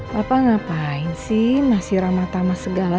bapak ngapain sih masih ramah tamah segala